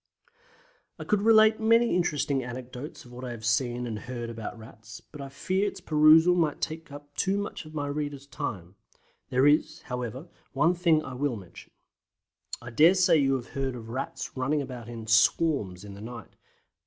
I could relate many interesting anecdotes of what I have seen and heard about Rats, but I fear its perusal might take up too much of my readers' time. There is, however, one thing I will mention. I dare say you have heard of Rats running about in "swarms" in the night.